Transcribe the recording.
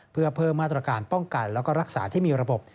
เพื่อเพิ่มมาตรการป้องกันแล้วก็รักษาที่มีระบบ